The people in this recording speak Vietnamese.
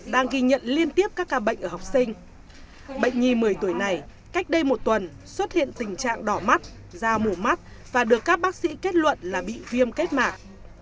bệnh nhiên một mươi tuổi này cách đây một tuần xuất hiện tình trạng đỏ mắt da mù mắt và được các bác sĩ kết luận là bị viêm kết mạc